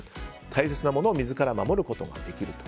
大切なものを水から守ることができる。